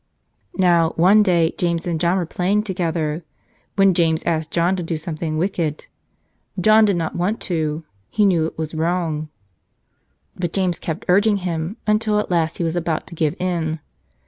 Now, one day James and John were playing to¬ gether, when James asked John to do something wicked. John did not want to; he knew it was wrong. But James kept urging him, until at last he was about to give in.